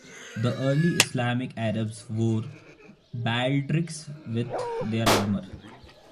The early Islamic Arabs wore baldrics with their armor.